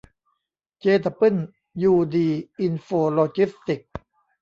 เจดับเบิ้ลยูดี อินโฟโลจิสติกส์